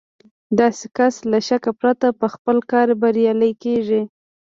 داسې کس له شکه پرته په خپل کار بريالی کېږي.